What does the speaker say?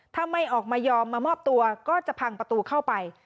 ถ้าไม่ออกมายอมมามอบตัวก็จะพังประตูเข้าไป